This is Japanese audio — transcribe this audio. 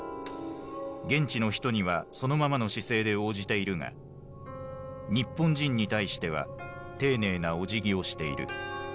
現地の人にはそのままの姿勢で応じているが日本人に対しては丁寧なおじぎをしている。